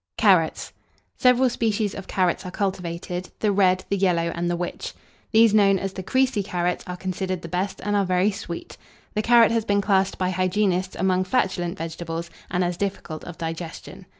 CARROTS. Several species of carrots are cultivated, the red, the yellow, and the which. Those known as the Crecy carrots are considered the best, and are very sweet. The carrot has been classed by hygienists among flatulent vegetables, and as difficult of digestion.